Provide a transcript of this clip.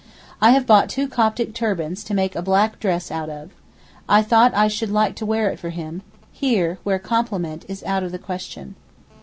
I have bought two Coptic turbans to make a black dress out of. I thought I should like to wear it for him—here, where 'compliment' is out of the question.